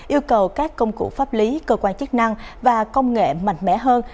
yêu cầu các công cụ pháp lý cơ quan chức năng và công nghệ mạnh mẽ hơn